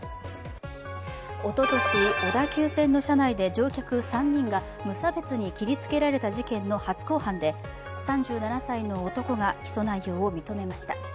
おととし小田急線の車内で乗客３人が無差別に切りつけられた事件の初公判で、３７歳の男が起訴内容を認めました。